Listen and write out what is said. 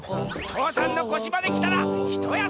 父山のこしまできたらひとやすみ！